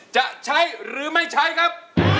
จะใช้หรือไม่ใช้ครับ